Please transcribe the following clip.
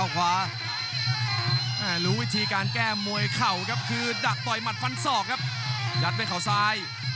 การแก้มวยเข่าก็คือดักป่อยมัดฝันศอกครับยัดไปเข้าซ้าย